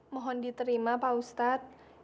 mohon diterima pak ustadz